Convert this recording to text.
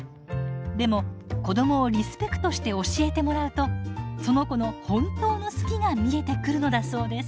でも子どもをリスペクトして教えてもらうとその子の本当の「好き」が見えてくるのだそうです。